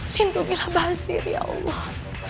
lindungilah badir ya allah